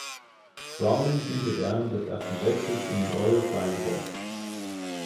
Browning diente während des Ersten Weltkriegs im Royal Flying Corps.